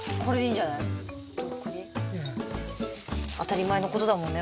当たり前のことだもんね。